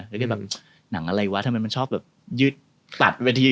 แล้วก็แบบหนังอะไรวะทำไมมันชอบแบบยึดตัดเวที